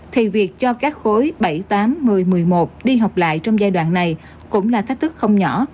thì việc cho các khối bảy tám một mươi một mươi một đi học lại trong giai đoạn này cũng là thách thức không nhỏ